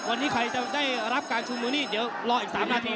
วันนี้ใครจะได้รับการชุมนุมนี่เดี๋ยวรออีก๓นาที